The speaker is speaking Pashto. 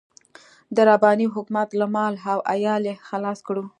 د رباني حکومت له مال او عيال يې خلاص کړو.